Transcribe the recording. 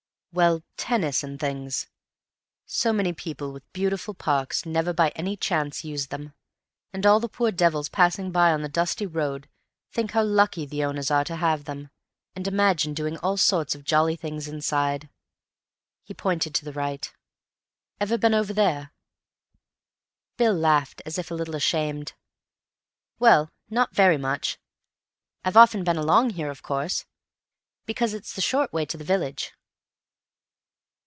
"Well, tennis and things. So many people with beautiful parks never by any chance use them, and all the poor devils passing by on the dusty road think how lucky the owners are to have them, and imagine them doing all sorts of jolly things inside." He pointed to the right. "Ever been over there?" Bill laughed, as if a little ashamed. "Well, not very much. I've often been along here, of course, because it's the short way to the village."